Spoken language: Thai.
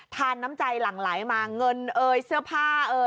ทานน้ำใจหลั่งไหลมาเงินเสื้อผ้า